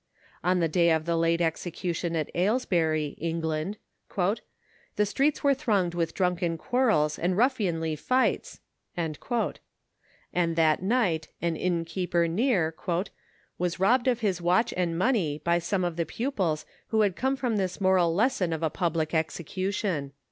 On the day of the late execution at Aylesbury, (Eng.) "the streets were thronged with drunken quarrels and ruffianly fights," and that night an innkeeper near, " was robbed of his watch and money by some of the pupils who had come from this moral lesson of a public execution."